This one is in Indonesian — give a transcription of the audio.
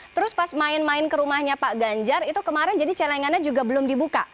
terus pas main main ke rumahnya pak ganjar itu kemarin jadi celengannya juga belum dibuka